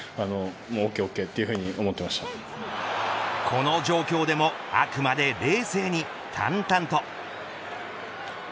この状況でも、あくまで冷静に淡々と。